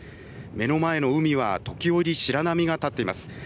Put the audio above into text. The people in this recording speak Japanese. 目の前の海は時折白波が立っています。